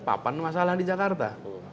papan masalah di jakarta